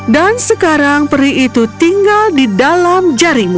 dan sekarang peri itu tinggal di dalam jarimu